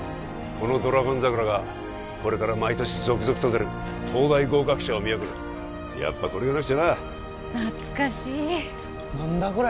このドラゴン桜がこれから毎年続々と出る東大合格者を見送るやっぱこれがなくちゃな懐かしい何だこれ？